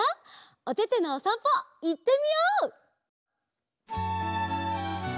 おててのおさんぽいってみよう！